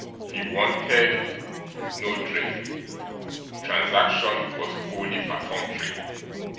He wanted no drink; the transaction was wholly perfunctory.